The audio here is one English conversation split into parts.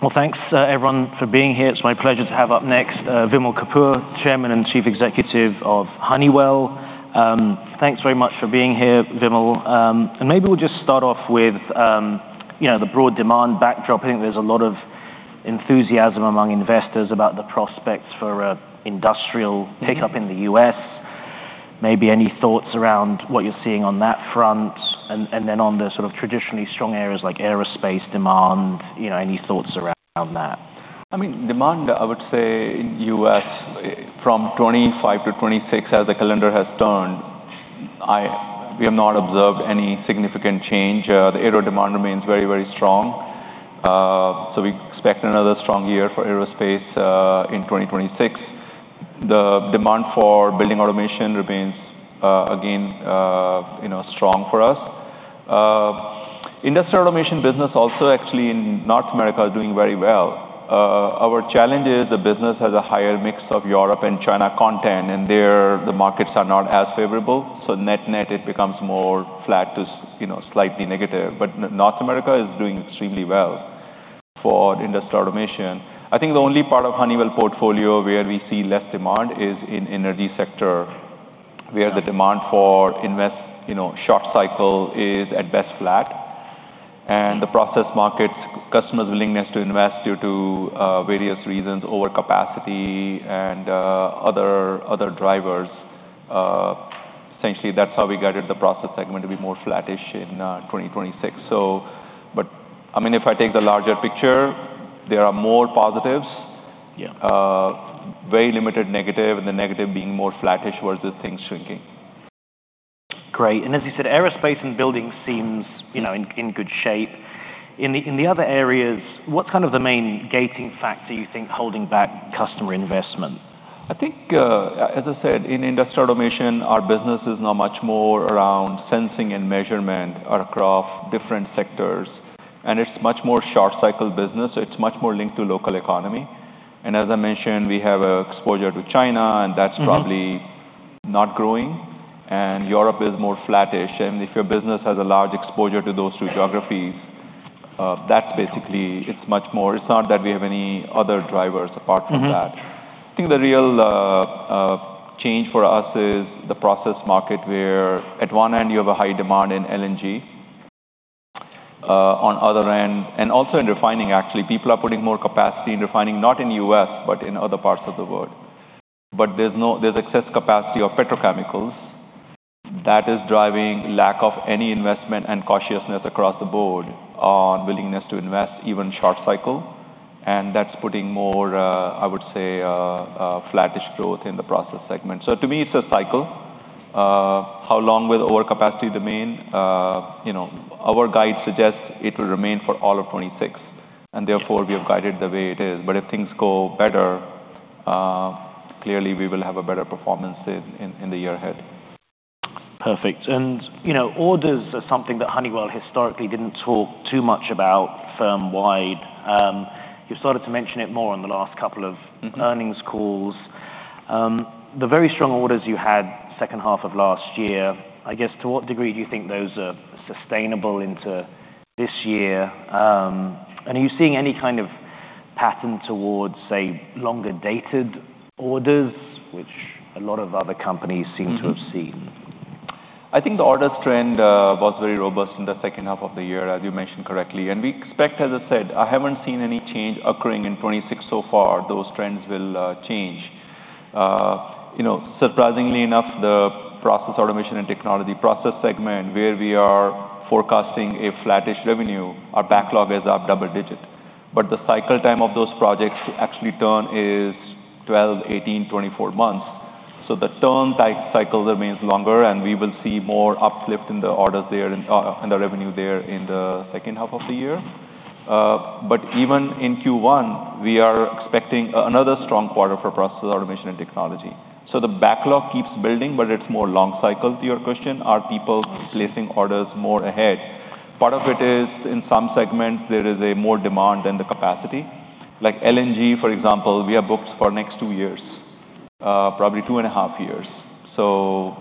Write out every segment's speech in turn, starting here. Well, thanks, everyone for being here. It's my pleasure to have up next, Vimal Kapur, Chairman and Chief Executive of Honeywell. Thanks very much for being here, Vimal. Maybe we'll just start off with, you know, the broad demand backdrop. I think there's a lot of enthusiasm among investors about the prospects for industrial pickup in the U.S. Maybe any thoughts around what you're seeing on that front, and then on the sort of traditionally strong areas like Aerospace demand, you know, any thoughts around that? I mean, demand, I would say in the U.S., from 25 to 26, as the calendar has turned, we have not observed any significant change. The Aero demand remains very, very strong. So, we expect another strong year for Aerospace in 2026. The demand for Building Automation remains, again, you know, strong for us. Industrial Automation business also actually in North America is doing very well. Our challenge is the business has a higher mix of Europe and China content, and there, the markets are not as favorable, so net-net, it becomes more flat to, you know, slightly negative. But North America is doing extremely well for Industrial Automation. I think the only part of Honeywell portfolio where we see less demand is in energy sector, where the demand for investment, you know, short cycle is, at best, flat. The process markets, customers' willingness to invest due to various reasons, overcapacity and other drivers, essentially, that's how we guided the process segment to be more flattish in 2026. But, I mean, if I take the larger picture, there are more positives. Yeah. Very limited negative, and the negative being more flattish versus things shrinking. Great. And as you said, Aerospace and building seem, you know, in good shape. In the other areas, what's kind of the main gating factor you think holding back customer investment? I think, as I said, in Industrial Automation, our business is now much more around sensing and measurement across different sectors, and it's much more short-cycle business, so it's much more linked to local economy. As I mentioned, we have exposure to China, and that's- Mm-hmm... probably not growing, and Europe is more flattish. And if your business has a large exposure to those two geographies, that's basically—it's much more... It's not that we have any other drivers apart from that. Mm-hmm. I think the real change for us is the process market, where at one end you have a high demand in LNG, on other end, and also in refining, actually. People are putting more capacity in refining, not in the U.S., but in other parts of the world. But there's excess capacity of petrochemicals. That is driving lack of any investment and cautiousness across the board on willingness to invest, even short cycle, and that's putting more, I would say, flattish growth in the process segment. So, to me, it's a cycle. How long will overcapacity remain? You know, our guide suggests it will remain for all of 2026, and therefore, we have guided the way it is. But if things go better, clearly, we will have a better performance in the year ahead. Perfect. You know, orders are something that Honeywell historically didn't talk too much about firm-wide. You've started to mention it more in the last couple of- Mm-hmm... earnings calls. The very strong orders you had second half of last year, I guess, to what degree do you think those are sustainable into this year? And are you seeing any kind of pattern towards, say, longer-dated orders, which a lot of other companies- Mm-hmm... seem to have seen? I think the orders trend was very robust in the second half of the year, as you mentioned correctly. We expect, as I said, I haven't seen any change occurring in 2026 so far. Those trends will change. You know, surprisingly enough, the process automation and technology process segment, where we are forecasting a flattish revenue, our backlog is up double-digit. But the cycle time of those projects to actually turn is 12, 18, 24 months. So the turn cycle remains longer, and we will see more uplift in the orders there and the revenue there in the second half of the year. But even in Q1, we are expecting another strong quarter for process automation and technology. So, the backlog keeps building, but it's more long cycle. To your question, are people placing orders more ahead? Part of it is, in some segments, there is a more demand than the capacity. Like LNG, for example, we are booked for next 2 years, probably 2.5 years. So,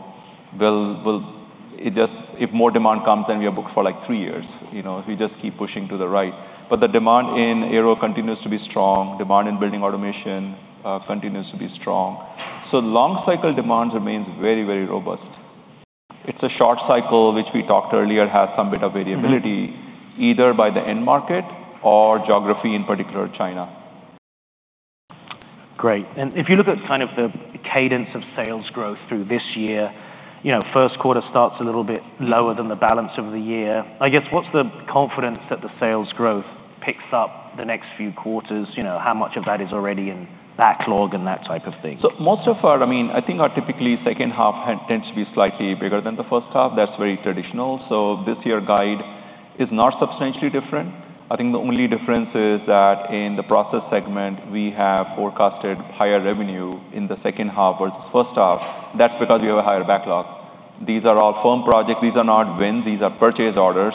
we'll. It just. If more demand comes, then we are booked for, like, 3 years. You know, we just keep pushing to the right. But the demand in aero continues to be strong. Demand in Building Automation continues to be strong. So long cycle demands remain very, very robust. It's a short cycle, which we talked earlier, has some bit of variability- Mm-hmm... either by the end market or geography, in particular, China. Great. If you look at kind of the cadence of sales growth through this year, you know, first quarter starts a little bit lower than the balance of the year. I guess, what's the confidence that the sales growth picks up the next few quarters? You know, how much of that is already in backlog and that type of thing? So, most of our, I mean, I think our typically second half tends to be slightly bigger than the first half. That's very traditional. So, this year, guide is not substantially different. I think the only difference is that in the process segment, we have forecasted higher revenue in the second half versus first half. That's because we have a higher backlog. These are all firm projects. These are not wins. These are purchase orders,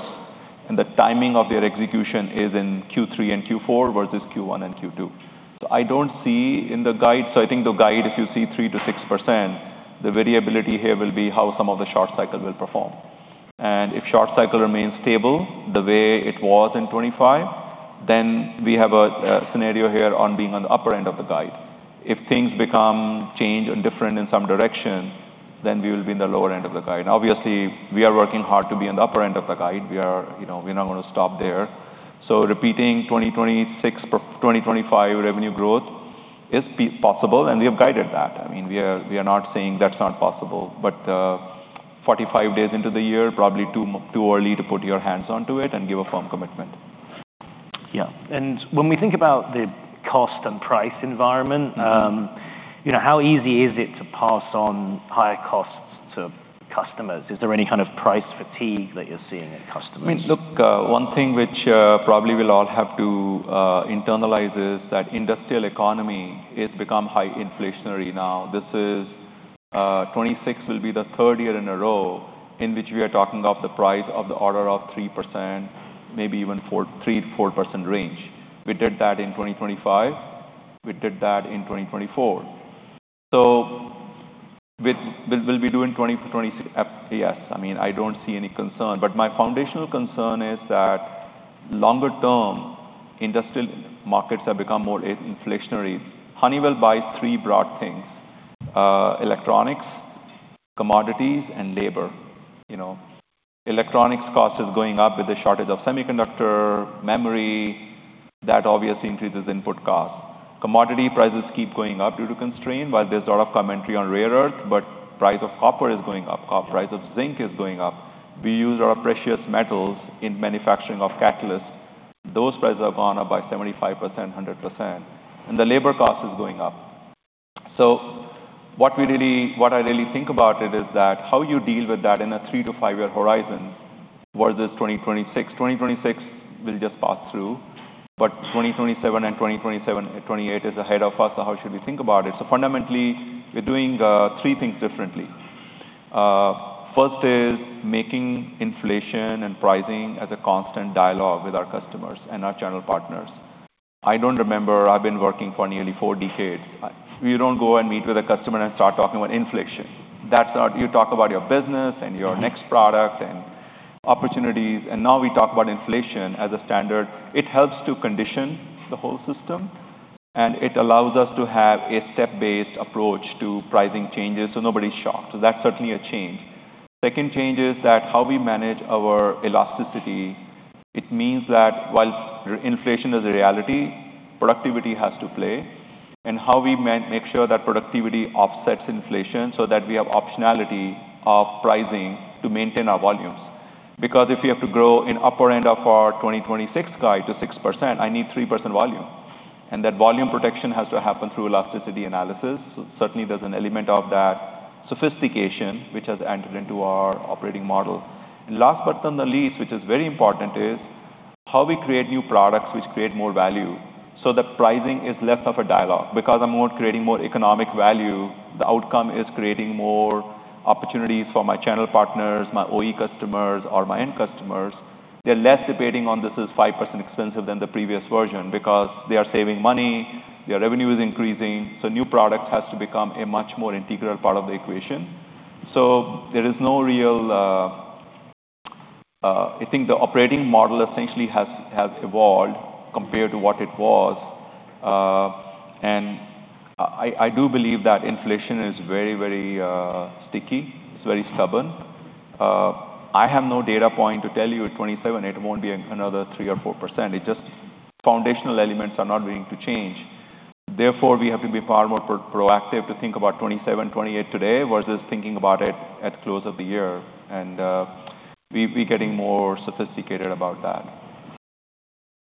and the timing of their execution is in Q3 and Q4, versus Q1 and Q2. So, I don't see in the guide... So, I think the guide, if you see 3%-6%, the variability here will be how some of the short cycle will perform.... And if short cycle remains stable the way it was in 2025, then we have a, a scenario here on being on the upper end of the guide. If things become changed and different in some direction, then we will be in the lower end of the guide. Obviously, we are working hard to be on the upper end of the guide. We are, you know, we're not gonna stop there. So, repeating 2026 per 2025 revenue growth is possible, and we have guided that. I mean, we are, we are not saying that's not possible. But, forty-five days into the year, probably too early to put your hands onto it and give a firm commitment. Yeah. When we think about the cost and price environment- Mm-hmm. you know, how easy is it to pass on higher costs to customers? Is there any kind of price fatigue that you're seeing in customers? I mean, look, one thing which probably we'll all have to internalize is that industrial economy, it's become high inflationary now. This is, 2026 will be the third year in a row in which we are talking of the price of the order of 3%, maybe even 4%, 3%-4% range. We did that in 2025. We did that in 2024. So we, we will be doing 2026, yes. I mean, I don't see any concern. But my foundational concern is that longer term, industrial markets have become more inflationary. Honeywell buys three broad things: electronics, commodities, and labor. You know, electronics cost is going up with the shortage of semiconductor, memory. That obviously increases input cost. Commodity prices keep going up due to constraint, while there's a lot of commentary on rare earth, but price of copper is going up, price of zinc is going up. We use our precious metals in manufacturing of catalyst. Those prices have gone up by 75%, 100%, and the labor cost is going up. So, what we really—what I really think about it is that how you deal with that in a 3- to 5-year horizon versus 2026. 2026 will just pass through, but 2027 and 2027 and 2028 is ahead of us, so how should we think about it? So, fundamentally, we're doing three things differently. First is making inflation and pricing as a constant dialogue with our customers and our channel partners. I don't remember, I've been working for nearly four decades, you don't go and meet with a customer and start talking about inflation. That's not... You talk about your business- Mm-hmm. and your next product and opportunities, and now we talk about inflation as a standard. It helps to condition the whole system, and it allows us to have a step-based approach to pricing changes, so nobody's shocked so that's certainly a change. Second change is that how we manage our elasticity. It means that while inflation is a reality, productivity has to play, and how we make sure that productivity offsets inflation so that we have optionality of pricing to maintain our volumes. Because if we have to grow in upper end of our 2026 guide to 6%, I need 3% volume, and that volume protection has to happen through elasticity analysis. So certainly, there's an element of that sophistication which has entered into our operating model. Last but not the least, which is very important, is how we create new products which create more value, so the pricing is less of a dialogue. Because I'm more creating more economic value, the outcome is creating more opportunities for my channel partners, my OE customers, or my end customers. They're less debating on, "This is 5% expensive than the previous version," because they are saving money, their revenue is increasing, so new product has to become a much more integral part of the equation. So, there is no real... I think the operating model essentially has evolved compared to what it was, and I do believe that inflation is very, very sticky. It's very stubborn. I have no data point to tell you in 2027, it won't be another 3%-4%. It just foundational elements are not going to change. Therefore, we have to be far more proactive to think about 2027, 2028 today, versus thinking about it at close of the year, and we're getting more sophisticated about that.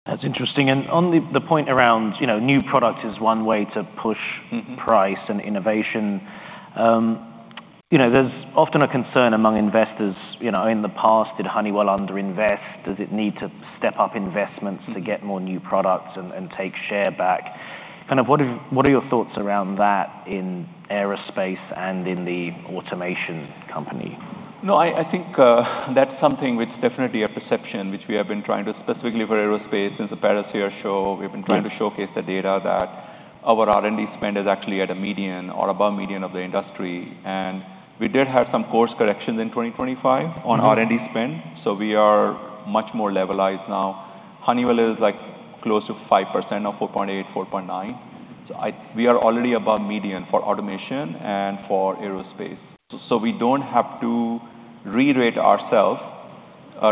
That's interesting. On the point around, you know, new products is one way to push- Mm-hmm -price and innovation. You know, there's often a concern among investors, you know, in the past, did Honeywell underinvest? Does it need to step up investments? Mm-hmm to get more new products and take share back? Kind of, what are your thoughts around that in Aerospace and in the automation company? No, I think that's something which is definitely a perception, which we have been trying to, specifically for Aerospace, since the Paris Air Show. Right... we've been trying to showcase the data that our R&D spend is actually at a median or above median of the industry. We did have some course corrections in 2025- Mm-hmm -on R&D spend, so we are much more levelized now. Honeywell is, like, close to 5% or 4.8, 4.9. So, I-- we are already above median for automation and for Aerospace. So, we don't have to rerate ourself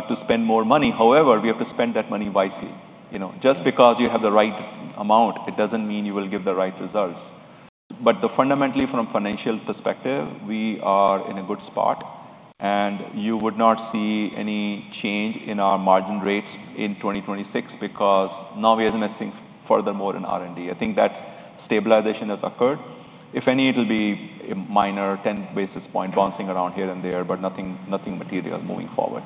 to spend more money. However, we have to spend that money wisely. You know, just because you have the right amount, it doesn't mean you will give the right results. But fundamentally, from a financial perspective, we are in a good spot, and you would not see any change in our margin rates in 2026 because now we are investing furthermore in R&D. I think that stabilization has occurred. If any, it'll be a minor 10 basis points bouncing around here and there, but nothing, nothing material moving forward.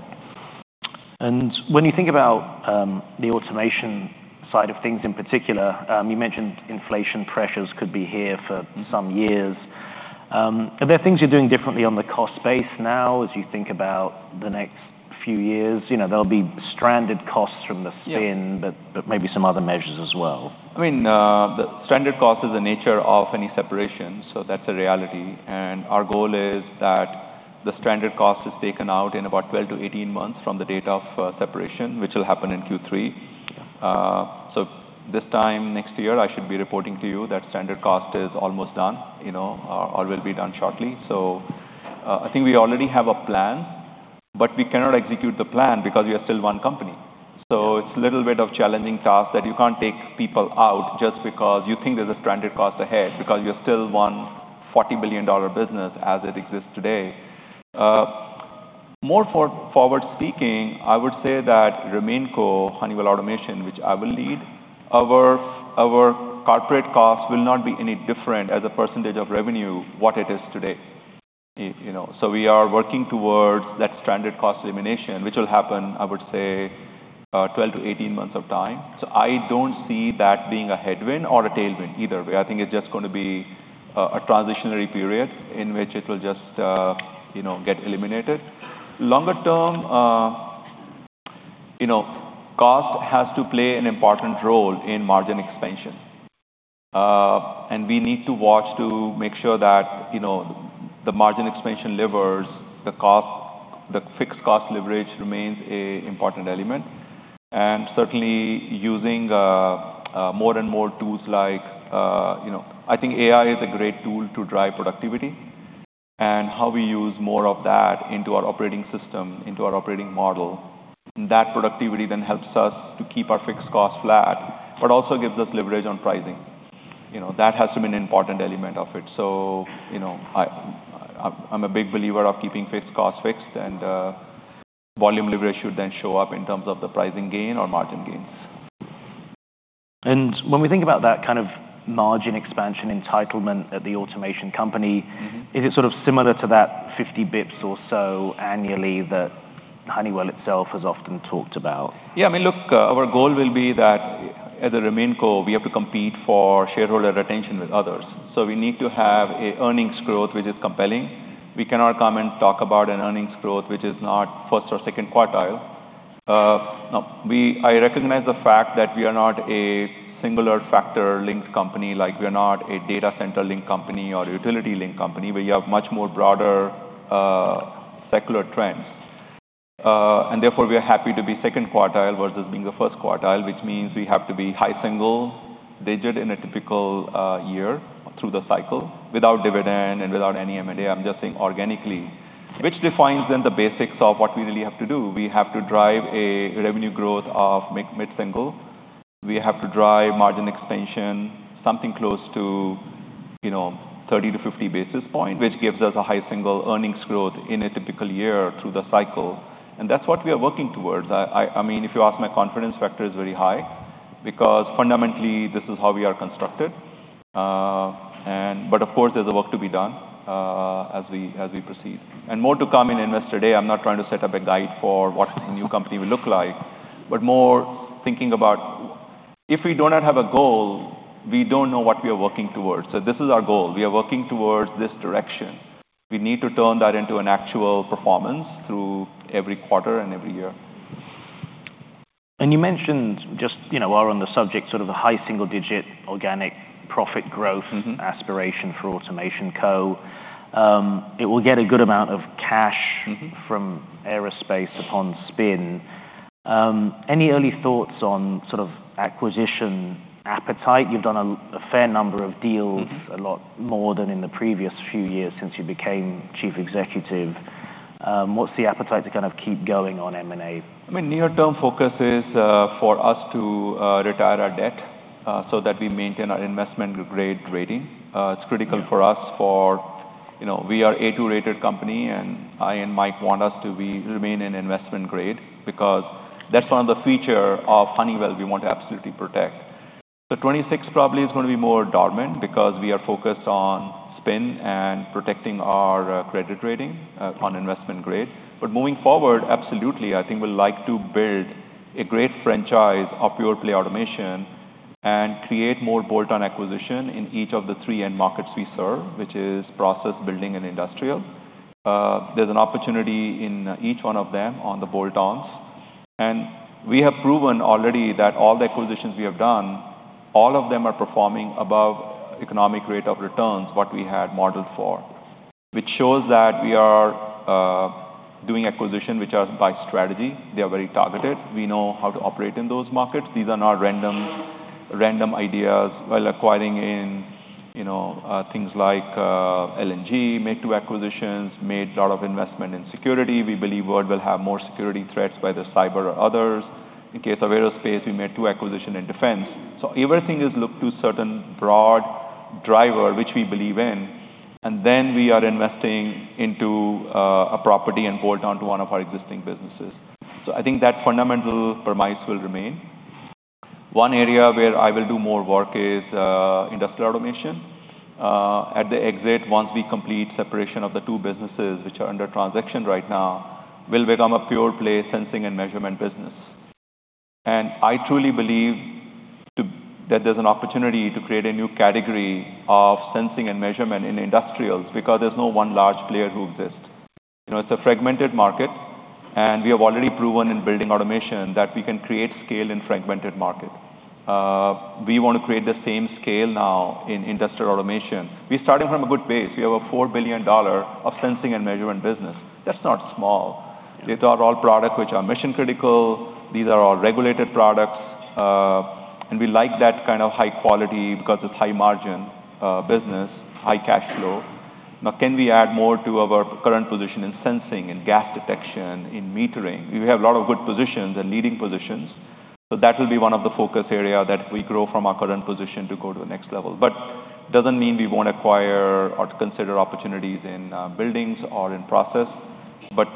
When you think about the automation side of things, in particular, you mentioned inflation pressures could be here for- Mm-hmm some years. Are there things you're doing differently on the cost base now as you think about the next few years, you know, there'll be stranded costs from the spin- Yeah. but maybe some other measures as well. I mean, the stranded cost is the nature of any separation, so that's a reality. And our goal is that the stranded cost is taken out in about 12-18 months from the date of separation, which will happen in Q3. So, this time next year, I should be reporting to you that stranded cost is almost done, you know, or, or will be done shortly. So, I think we already have a plan, but we cannot execute the plan because we are still one company. So it's a little bit of challenging task that you can't take people out just because you think there's a stranded cost ahead, because you're still one $40 billion business as it exists today. More forward speaking, I would say that RemainCo, Honeywell Automation, which I will lead, our corporate costs will not be any different as a percentage of revenue what it is today. You know, so we are working towards that stranded cost elimination, which will happen, I would say, 12-18 months of time. So, I don't see that being a headwind or a tailwind, either way. I think it's just gonna be a transitionary period in which it'll just you know get eliminated. Longer term, you know, cost has to play an important role in margin expansion. And we need to watch to make sure that, you know, the margin expansion levers, the cost, the fixed cost leverage remains a important element. Certainly using more and more tools like, you know, I think AI is a great tool to drive productivity and how we use more of that into our operating system, into our operating model. And that productivity then helps us to keep our fixed costs flat, but also gives us leverage on pricing. You know, that has to be an important element of it. So, you know, I'm a big believer of keeping fixed costs fixed, and volume leverage should then show up in terms of the pricing gain or margin gains. When we think about that kind of margin expansion entitlement at the automation company- Mm-hmm. Is it sort of similar to that 50 bips or so annually that Honeywell itself has often talked about? Yeah, I mean, look, our goal will be that as a RemainCo, we have to compete for shareholder retention with others. So, we need to have an earnings growth, which is compelling. We cannot come and talk about an earnings growth, which is not first or second quartile. Now, I recognize the fact that we are not a singular factor-linked company, like we are not a data center-linked company or a utility-linked company, but you have much more broader, secular trends. And therefore, we are happy to be second quartile versus being the first quartile, which means we have to be high single digit in a typical, year through the cycle without dividend and without any M&A. I'm just saying organically, which defines then the basics of what we really have to do. We have to drive a revenue growth of mid, mid-single. We have to drive margin expansion, something close to, you know, 30-50 basis points, which gives us a high single earnings growth in a typical year through the cycle. That's what we are working towards. I mean, if you ask, my confidence factor is very high because fundamentally this is how we are constructed. But of course, there's a work to be done, as we proceed. More to come in Investor Day. I'm not trying to set up a guide for what the new company will look like, but more thinking about if we do not have a goal, we don't know what we are working towards. This is our goal. We are working towards this direction. We need to turn that into an actual performance through every quarter and every year. You mentioned just, you know, while on the subject, sort of a high single digit organic profit growth- Mm-hmm. -aspiration for Automation Co. It will get a good amount of cash- Mm-hmm. -from Aerospace upon spin. Any early thoughts on sort of acquisition appetite? You've done a fair number of deals- Mm-hmm. -a lot more than in the previous few years since you became chief executive. What's the appetite to kind of keep going on M&A? I mean, near-term focus is for us to retire our debt so that we maintain our investment-grade rating. It's critical for us for... You know, we are A2-rated company, and I and Mike want us to be remain in investment grade because that's one of the feature of Honeywell we want to absolutely protect. So, 2026 probably is gonna be more dormant because we are focused on spin and protecting our credit rating on investment grade. But moving forward, absolutely, I think we'd like to build a great franchise of pure-play automation and create more bolt-on acquisition in each of the three end markets we serve, which is Process, Building, and Industrial. There's an opportunity in each one of them on the bolt-ons. We have proven already that all the acquisitions we have done, all of them are performing above economic rate of returns, what we had modeled for. Which shows that we are doing acquisition, which are by strategy. They are very targeted. We know how to operate in those markets. These are not random ideas while acquiring in, you know, things like LNG, made 2 acquisitions, made a lot of investment in security. We believe world will have more security threats, whether cyber or others. In case of Aerospace, we made 2 acquisition in defense. So, everything is looked to certain broad driver, which we believe in, and then we are investing into a property and bolt-on to one of our existing businesses. So, I think that fundamental premise will remain. One area where I will do more work is Industrial Automation. At the exit, once we complete separation of the two businesses, which are under transaction right now, we'll become a pure play sensing and measurement business. And I truly believe that there's an opportunity to create a new category of sensing and measurement in industrials because there's no one large player who exists. You know, it's a fragmented market, and we have already proven in Building Automation that we can create scale in fragmented market. We want to create the same scale now in Industrial Automation. We're starting from a good base. We have a $4 billion of sensing and measurement business. That's not small. These are all products which are mission-critical, these are all regulated products, and we like that kind of high quality because it's high-margin business, high cash flow. Now, can we add more to our current position in sensing, in gas detection, in metering? We have a lot of good positions and leading positions, so, that will be one of the focus area that we grow from our current position to go to the next level. But doesn't mean we won't acquire or consider opportunities in, buildings or in process. But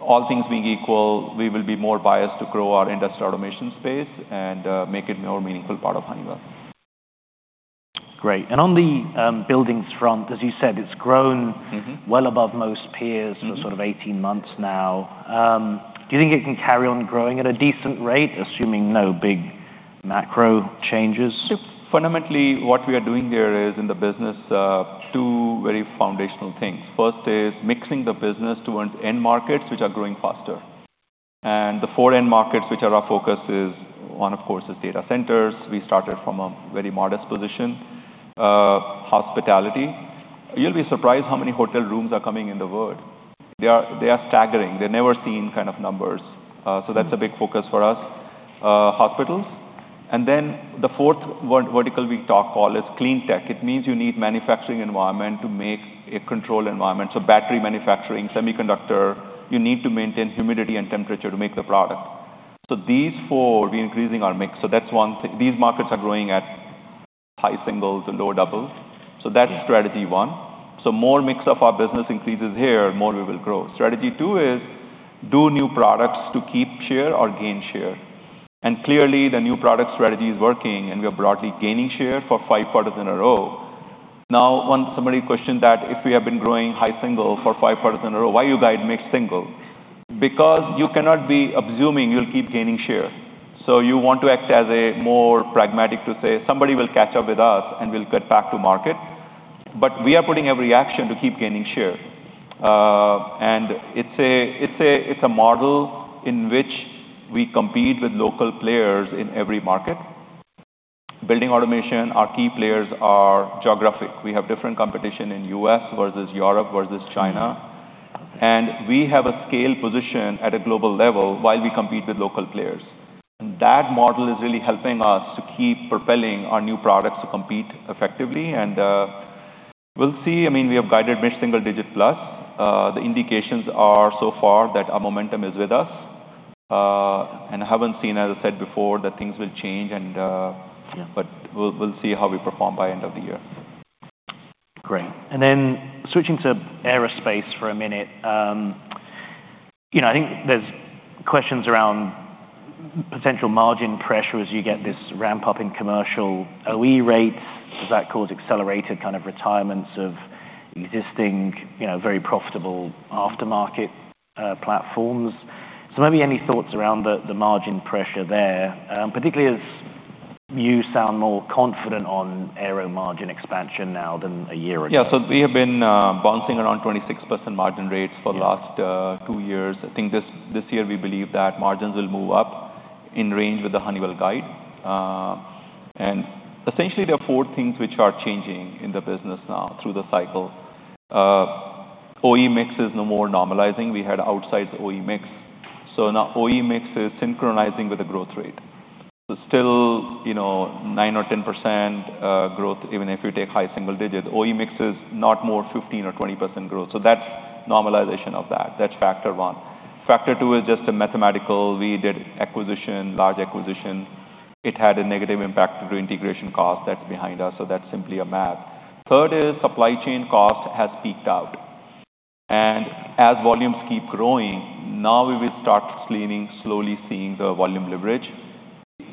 all things being equal, we will be more biased to grow our Industrial Automation space and, make it a more meaningful part of Honeywell. Great. On the buildings front, as you said, it's grown... Mm-hmm. well above most peers Mm-hmm -for sort of 18 months now. Do you think it can carry on growing at a decent rate, assuming no big macro changes? Fundamentally, what we are doing there is, in the business, two very foundational things. First is mixing the business towards end markets, which are growing faster. And the four end markets, which are our focus, is, one, of course, is data centers. We started from a very modest position. Hospitality. You'll be surprised how many hotel rooms are coming in the world. They are, they are staggering. They're never-seen kind of numbers. So, that's- Mm... a big focus for us. Hospitals, and then the fourth vertical we talk about is clean tech. It means you need manufacturing environment to make a controlled environment. So, battery manufacturing, semiconductor, you need to maintain humidity and temperature to make the product. So, these four, we're increasing our mix, so, that's one thing. These markets are growing at high singles and lower doubles. Mm-hmm. So, that's strategy one. So, more mix of our business increases here, more we will grow. Strategy two is do new products to keep share or gain share. And clearly, the new product strategy is working, and we are broadly gaining share for five quarters in a row. Now, one summary question that if we have been growing high single for five quarters in a row, why you guide mid-single? Because you cannot be assuming you'll keep gaining share. So, you want to act as a more pragmatic to say, "Somebody will catch up with us, and we'll get back to market." But we are putting every action to keep gaining share. And it's a model in which we compete with local players in every market. Building Automation, our key players are geographic. We have different competition in U.S. versus Europe versus China. Mm-hmm. We have a scale position at a global level while we compete with local players. That model is really helping us to keep propelling our new products to compete effectively. We'll see. I mean, we have guided mid-single digit plus. The indications are so far that our momentum is with us, and I haven't seen, as I said before, that things will change, and Yeah... but we'll see how we perform by end of the year. Great. Then switching to Aerospace for a minute, you know, I think there's questions around potential margin pressure as you get this ramp-up in commercial OE rates. Does that cause accelerated kind of retirements of existing, you know, very profitable aftermarket platforms? So, maybe any thoughts around the margin pressure there, particularly as you sound more confident on aero margin expansion now than a year ago? Yeah. So, we have been bouncing around 26% margin rates for- Yeah... the last two years. I think this year, we believe that margins will move up in range with the Honeywell guide. And essentially, there are four things which are changing in the business now through the cycle. OE mix is no more normalizing. We had outsized the OE mix. So, now OE mix is synchronizing with the growth rate. So, still you know, nine or 10% growth, even if you take high single digits. OE mix is not more 15% or 20% growth. So, that's normalization of that. That's factor one. Factor two is just a mathematical. We did acquisition, large acquisition. It had a negative impact due to integration cost. That's behind us, so that's simply a math. Third is supply chain cost has peaked out, and as volumes keep growing, now we will start seeing, slowly seeing the volume leverage,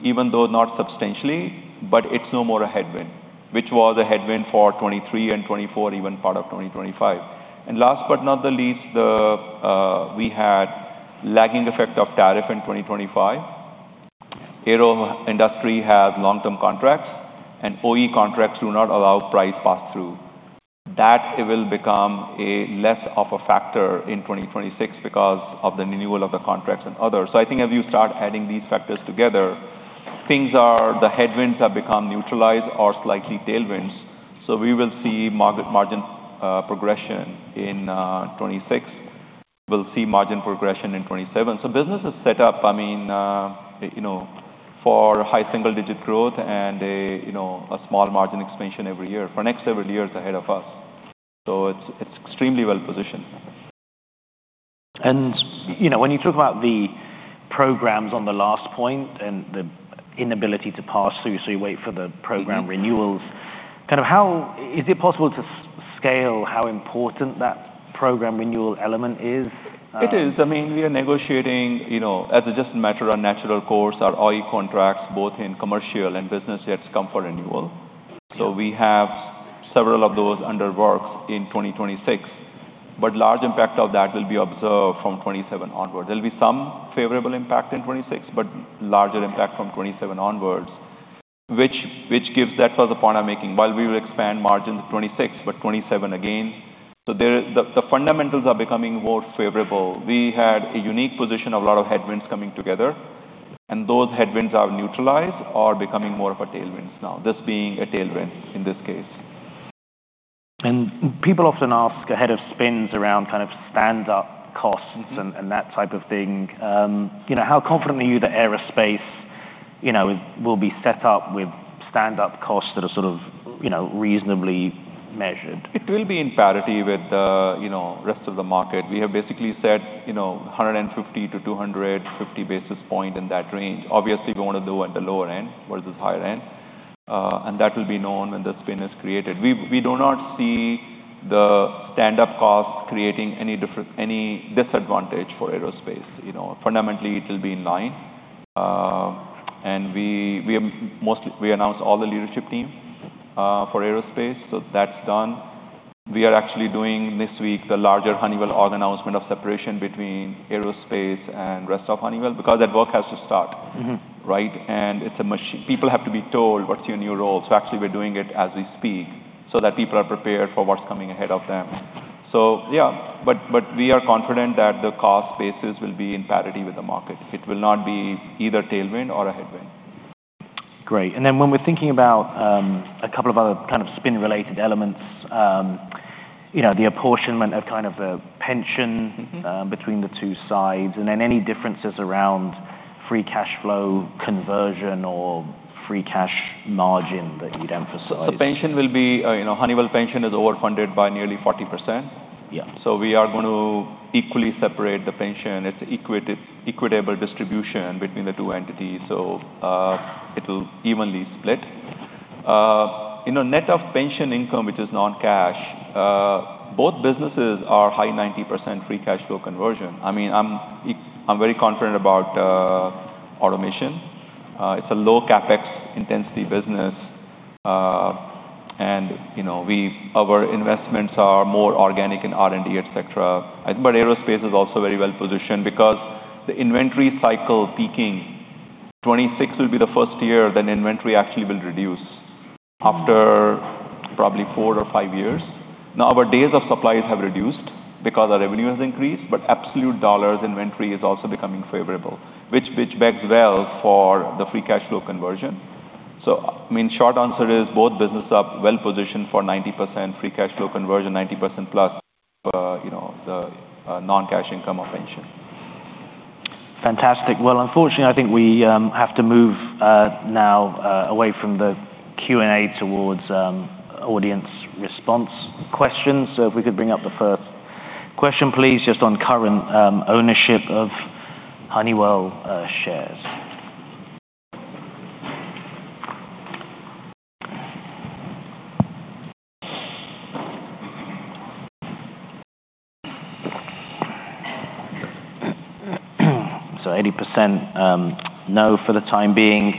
even though not substantially, but it's no more a headwind, which was a headwind for 2023 and 2024, even part of 2025. And last but not the least, the we had lagging effect of tariff in 2025. Aero industry has long-term contracts, and OE contracts do not allow price pass-through. That it will become a less of a factor in 2026 because of the renewal of the contracts and others. So, I think as you start adding these factors together, things are the headwinds have become neutralized or slightly tailwinds, so we will see margin progression in 2026. We'll see margin progression in 2027. So, business is set up, I mean, you know, for high single-digit growth and a, you know, a small margin expansion every year for next several years ahead of us. So, it's extremely well positioned. You know, when you talk about the programs on the last point and the inability to pass through, so you wait for the program renewals- Mm-hmm... kind of how is it possible to scale how important that program renewal element is? It is. I mean, we are negotiating, you know, as a matter of course, our OE contracts, both in commercial and business jets, come for renewal. Yeah. So, we have several of those under works in 2026. But large impact of that will be observed from 2027 onwards. There'll be some favorable impact in 2026, but larger impact from 2027 onwards, which, which gives— That was the point I'm making. While we will expand margins in 2026, but 2027 again. So, the fundamentals are becoming more favorable. We had a unique position of a lot of headwinds coming together, and those headwinds are neutralized or becoming more of a tailwinds now, this being a tailwind in this case. People often ask ahead of spins around kind of stranded costs and that type of thing, you know, how confident are you that Aerospace, you know, will be set up with stranded costs that are sort of, you know, reasonably measured? It will be in parity with the, you know, rest of the market. We have basically said, you know, 150-250 basis point in that range. Obviously, we want to do at the lower end versus higher end, and that will be known when the spin is created. We do not see the stand-up cost creating any different, any disadvantage for Aerospace. You know, fundamentally, it will be in line. And we have mostly announced all the leadership team for Aerospace, so that's done. We are actually doing, this week, the larger Honeywell org announcement of separation between Aerospace and rest of Honeywell, because that work has to start. Mm-hmm. Right? And it's... People have to be told what's your new role. So, actually we're doing it as we speak. So, that people are prepared for what's coming ahead of them. So, yeah, but we are confident that the cost basis will be in parity with the market. It will not be either tailwind or a headwind. Great. And then when we're thinking about a couple of other kind of spin-related elements, you know, the apportionment of kind of a pension- Mm-hmm. between the two sides, and then any differences around free cash flow conversion or free cash margin that you'd emphasize. The pension will be, you know, Honeywell pension is overfunded by nearly 40%. Yeah. We are going to equally separate the pension. It's equitable distribution between the two entities, so, it will evenly split. You know, net of pension income, which is non-cash, both businesses are high 90% free cash flow conversion. I mean, I'm very confident about automation. It's a low CapEx intensity business, and you know, our investments are more organic in R&D, et cetera. I think but Aerospace is also very well positioned because the inventory cycle peaking, 2026 will be the first year that inventory actually will reduce after probably four or five years. Now, our days of supplies have reduced because our revenue has increased, but absolute dollars inventory is also becoming favorable, which bodes well for the free cash flow conversion. I mean, short answer is both businesses are well positioned for 90% free cash flow conversion, 90% plus, you know, the non-cash income of pension. Fantastic. Well, unfortunately, I think we have to move now away from the Q&A towards audience response questions. So, if we could bring up the first question, please, just on current ownership of Honeywell shares. So, 80%, no, for the time being.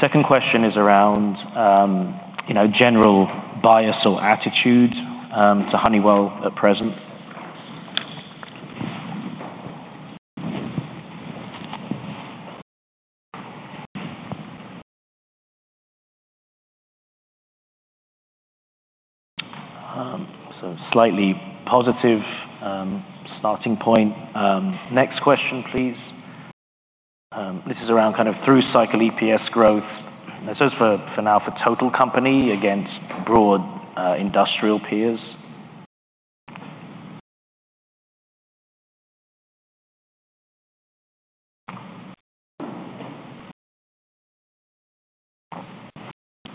Second question is around, you know, general bias or attitude to Honeywell at present. So, slightly positive starting point. Next question, please. This is around kind of through cycle EPS growth. This is for, for now, for total company against broad industrial peers.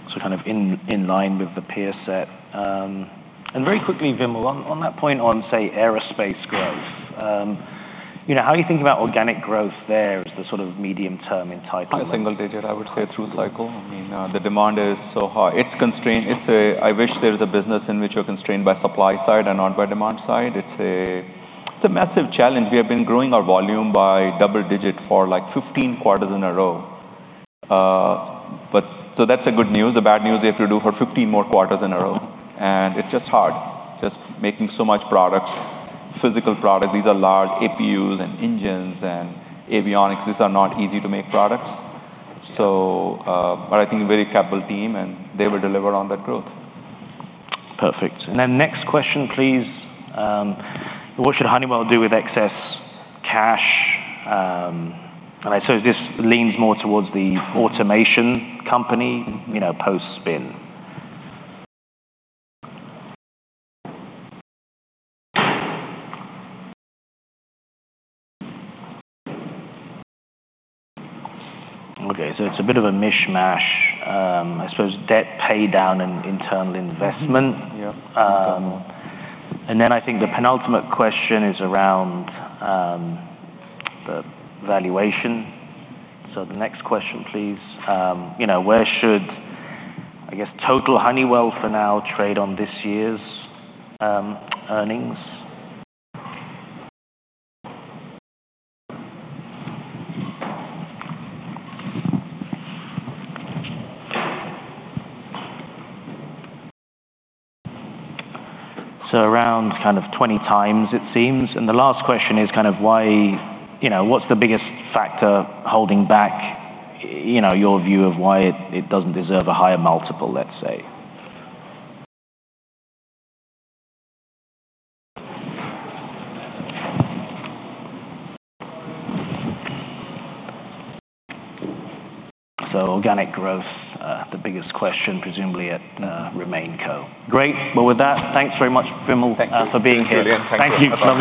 So, kind of in, in line with the peer set. And very quickly, Vimal, on, on that point on, say, Aerospace growth, you know, how are you thinking about organic growth there as the sort of medium-term in type? A single-digit, I would say, through cycle. I mean, the demand is so high. It's constrained. It's a... I wish there was a business in which you're constrained by supply side and not by demand side. It's a, it's a massive challenge. We have been growing our volume by double-digit for, like, 15 quarters in a row. But, so that's the good news. The bad news, we have to do for 15 more quarters in a row, and it's just hard. Just making so much products, physical products. These are large APUs and engines and avionics. These are not easy-to-make products. So, but I think a very capable team, and they will deliver on that growth. Perfect. And then next question, please. What should Honeywell do with excess cash? And I suppose this leans more towards the automation company, you know, post-spin. Okay, so, it's a bit of a mishmash. I suppose debt paydown and internal investment. Yeah. And then I think the penultimate question is around the valuation. So, the next question, please. You know, where should, I guess, total Honeywell for now trade on this year's earnings? So, around kind of 20x, it seems. And the last question is kind of why, you know, what's the biggest factor holding back, you know, your view of why it, it doesn't deserve a higher multiple, let's say? So, organic growth, the biggest question, presumably at RemainCo. Great! Well, with that, thanks very much, Vimal- Thank you. for being here. Thank you. Thank you. Lovely.